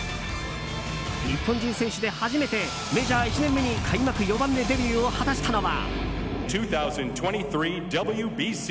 日本人選手で初めてメジャー１年目に開幕４番でメジャーデビューを果たしたのは。